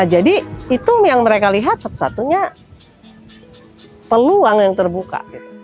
jadi itu yang mereka lihat satu satunya peluang yang terbuka